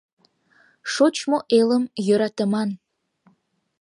Шочмо элым йӧратыман!